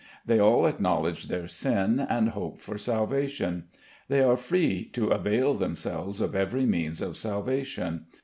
They all acknowledge their sin and hope for salvation. They are free to avail themselves of every means of salvation.